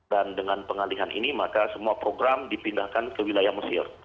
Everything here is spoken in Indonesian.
dan dengan pengalihan ini maka semua program dipindahkan ke wilayah mesir